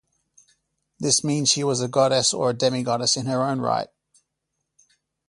This means she was a goddess or a demigoddess in her own right.